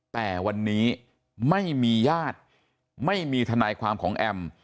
แต่วันนี้ไม่มีญาติไม่มีทนายความของแอม